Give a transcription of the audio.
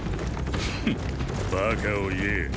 フッ馬鹿を言え。